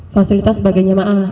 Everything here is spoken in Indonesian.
fasilitas sebagai jemaah